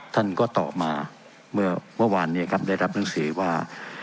ท่านก็ต่อมาเมื่อวันได้รับหนังสือว่า